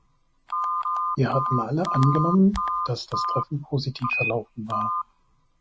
Wir hatten alle angenommen, dass das Treffen positiv verlaufen war.